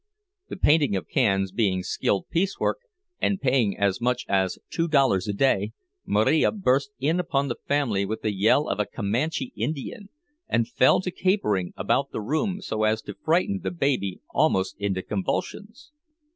The painting of cans being skilled piecework, and paying as much as two dollars a day, Marija burst in upon the family with the yell of a Comanche Indian, and fell to capering about the room so as to frighten the baby almost into convulsions.